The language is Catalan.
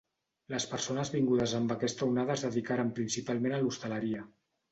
Les persones vingudes amb aquesta onada es dedicaren principalment a l'hostaleria.